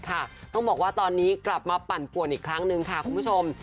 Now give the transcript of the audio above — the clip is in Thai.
ต้องบอกว่าตอนนี้กลับมาปั่นป่วนอีกครั้งนึงค่ะคุณผู้ชม